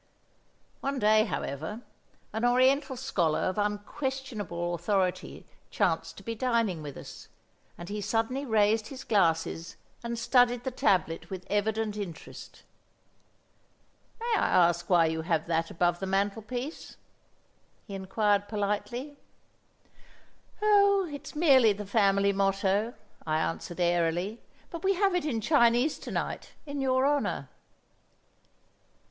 One day, however, an Oriental scholar of unquestionable authority chanced to be dining with us, and he suddenly raised his glasses and studied the tablet with evident interest. "May I ask why you have that above the mantelpiece?" he inquired politely. "Oh, it's merely the family motto," I answered airily, "but we have it in Chinese to night, in your honour."